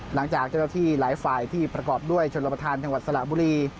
หลังจากเจ้าหน้าที่หลายฝ่ายที่ประกอบด้วยชนรับประทานจังหวัดสระบุรี